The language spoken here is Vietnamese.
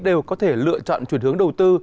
đều có thể lựa chọn chuyển hướng đầu tư